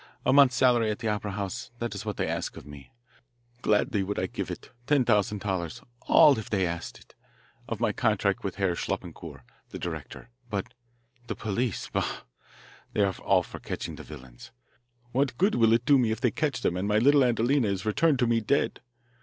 A month's salary at the opera house, that is what they ask of me. Gladly would I give it, ten thousand dollars all, if they asked it, of my contract with Herr Schleppencour, the director. But the police bah! they are all for catching the villains. What good will it do me if they catch them and my little Adelina is returned to me dead?